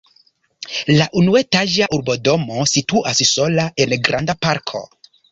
La unuetaĝa urbodomo situas sola en granda parko.